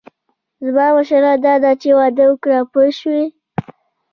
زما مشوره داده چې واده وکړه پوه شوې!.